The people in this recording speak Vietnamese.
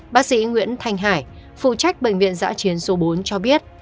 bác sĩ nguyễn thanh hải phụ trách bệnh viện giã chiến số bốn cho biết